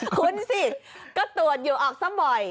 คุ้นสิก็ตรวจอยู่ออกสั้นบ่อย